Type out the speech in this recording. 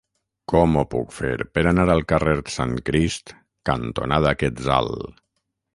Com ho puc fer per anar al carrer Sant Crist cantonada Quetzal?